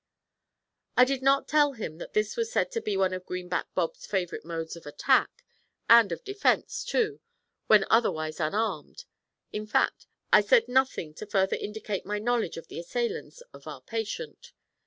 I did not tell him that this was said to be one of Greenback Bob's favourite modes of attack, and of defence, too, when otherwise unarmed. In fact, I said nothing to further indicate my knowledge of the assailants of our patient.